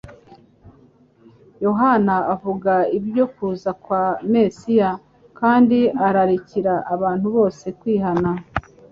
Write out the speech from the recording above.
Yohana avuga ibyo kuza kwa Mesiya kandi ararikira abantu bose kwihana.